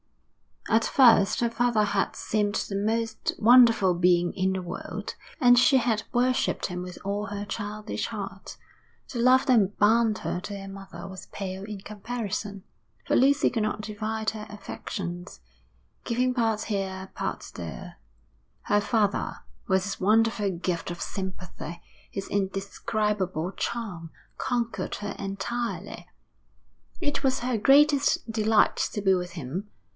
At first her father had seemed the most wonderful being in the world, and she had worshipped him with all her childish heart. The love that bound her to her mother was pale in comparison, for Lucy could not divide her affections, giving part here, part there; her father, with his wonderful gift of sympathy, his indescribable charm, conquered her entirely. It was her greatest delight to be with him.